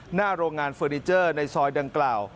หน้าโรงงานเฟอร์นิเจอร์ในซอยดังกล่าว